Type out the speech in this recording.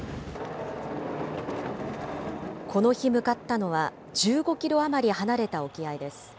この日向かったのは、１５キロ余り離れた沖合です。